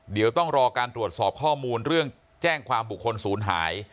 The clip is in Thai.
เดี๋ยวต้องรอการตรวจสอบข้อมูลเรื่องแจ้งความบุคคลศูนย์หาย